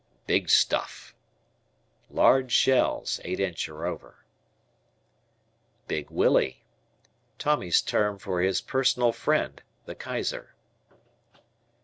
"Big Stuff." Large shells, eight inch or over. "Big Willie." Tommy's term for his personal friend, the Kaiser.